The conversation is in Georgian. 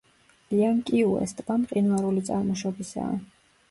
ლიანკიუეს ტბა მყინვარული წარმოშობისაა.